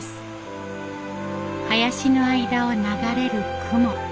林の間を流れる雲。